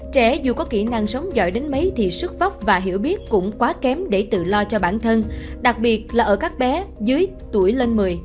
trẻ dù có kỹ năng sống giỏi đến mấy thì sức vóc và hiểu biết cũng quá kém để tự lo cho bản thân đặc biệt là ở các bé dưới tuổi lên một mươi